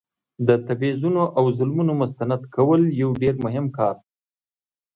د تبعیضونو او ظلمونو مستند کول یو ډیر مهم کار دی.